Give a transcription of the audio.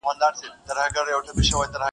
یو الله ج خبر وو -